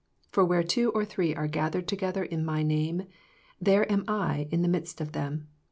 For where two or three are gathered together in My name, there am Jin the midst ofthem.